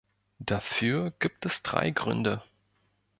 Dafür gibt es drei Gründe.